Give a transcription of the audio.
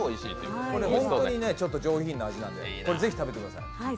これ、本当に上品な味なので、ぜひ食べてください。